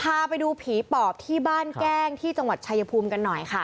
พาไปดูผีปอบที่บ้านแก้งที่จังหวัดชายภูมิกันหน่อยค่ะ